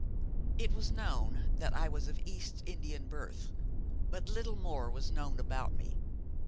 It was known that I was of East Indian birth, but little more was known about me.